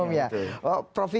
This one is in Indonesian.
jangan diam saja ya